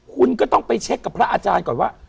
คุณก็ต้องไปเช็คกับพระอาจารย์ก่อนว่า